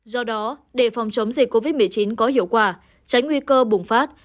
do đó để phòng chống dịch covid một mươi chín có hiệu quả tránh nguy cơ bùng phát